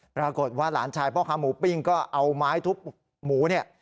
ปรากฏว่าหลานชายพ่อค้าหมูปิ้งก็เอาไม้ทุบหมูเนี่ย